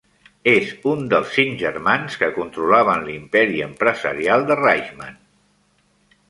És un dels cinc germans que controlaven l'imperi empresarial de Reichmann.